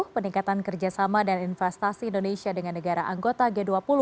peningkatan kerjasama dan investasi indonesia dengan negara anggota g dua puluh